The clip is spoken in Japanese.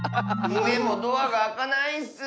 でもドアがあかないッス。